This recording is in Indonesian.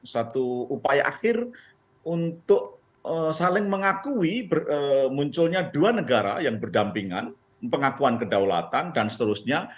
satu upaya akhir untuk saling mengakui munculnya dua negara yang berdampingan pengakuan kedaulatan dan seterusnya